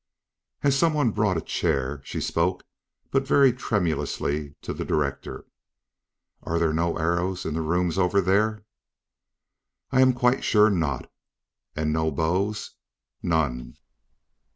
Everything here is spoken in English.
As some one brought a chair, she spoke, but very tremulously, to the director: "Are there no arrows in the rooms over there?" "I am quite sure not." "And no bows?" "None."